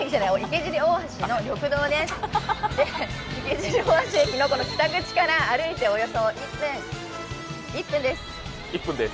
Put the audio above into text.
池尻大橋駅の北口から歩いておよそ１分です。